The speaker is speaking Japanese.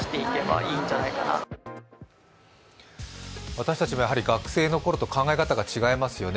私たちも学生のころと考え方が違いますよね。